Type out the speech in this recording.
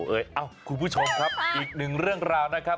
เอ้ยเอ้าคุณผู้ชมครับอีกหนึ่งเรื่องราวนะครับ